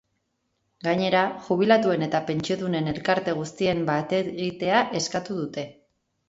Gainera, jubilatuen eta pentsiodunen elkarte guztien bategitea eskatu dute.